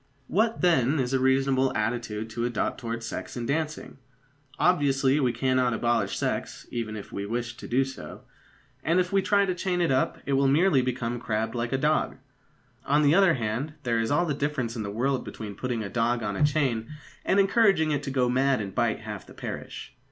What, then, is a reasonable attitude to adopt towards sex in dancing? Obviously we cannot abolish sex, even if we wished to do so. And if we try to chain it up, it will merely become crabbed like a dog. On the other hand, there is all the difference in the world between putting a dog on a chain and encouraging it to go mad and bite half the parish.